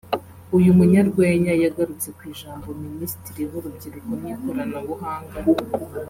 uyu munyarwenya yagarutse ku ijambo Minisitiri w’Urubyiruko n’Ikoranabuhanga